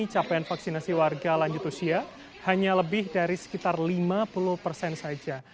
capaian vaksinasi warga lanjut usia hanya lebih dari sekitar lima puluh saja